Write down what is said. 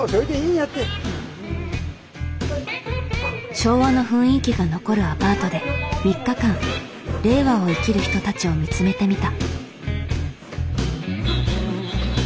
昭和の雰囲気が残るアパートで３日間令和を生きる人たちを見つめてみた。